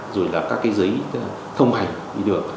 rồi là các cái giấy thông hành đi được